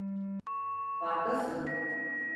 Farklısın.